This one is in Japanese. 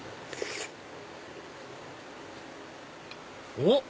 おっ！